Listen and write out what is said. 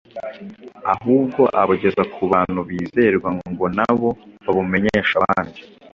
ahubwo abugeza ku bantu bizerwa ngo nabo babumenyeshe abandi.